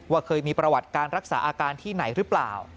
เคยมีประวัติการรักษาอาการที่ไหนหรือเปล่า